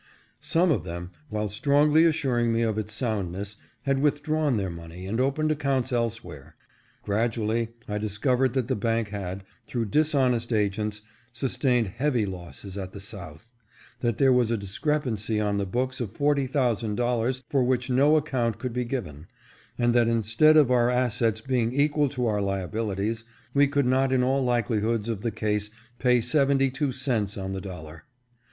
Some of them, while strongly assuring me of its soundness, had with drawn their money and opened accounts elsewhere. Gradually I discovered that the bank had, through dis honest agents, sustained heavy losses at the South ; that there was a discrepancy on the books of forty thousand dol lars for which no account could be given, and that, instead of our assets being equal to our liabilities, we could not in all likelihoods of the case pay seventy two cents on the dollar.